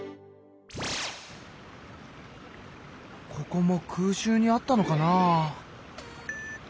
ここも空襲にあったのかなあ。